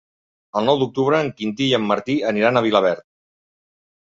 El nou d'octubre en Quintí i en Martí aniran a Vilaverd.